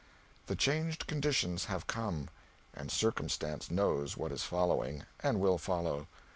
The changed conditions have come, and Circumstance knows what is following, and will follow.